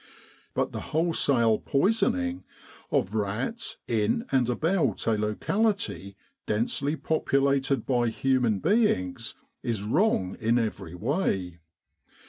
But the wholesale poisoning of rats in and about a locality densely populated by human beings is wrong in every way.